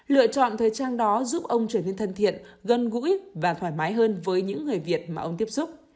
lựa chọn thời trang đó giúp ông trở nên thân thiện gần gũi và thoải mái hơn với những người việt mà ông tiếp xúc